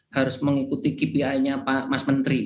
harus mengikuti kpi nya pak mas menteri